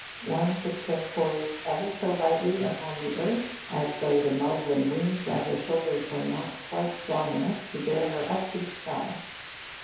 One tiptoe poised ever so lightly upon the earth, as though the muslin wings at her shoulders were not quite strong enough to bear her up into the sky!